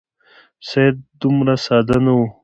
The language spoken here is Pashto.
سید دومره ساده نه وو.